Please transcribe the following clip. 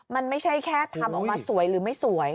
มันไม่ใช่แค่ทำออกมาสวยหรือไม่สวย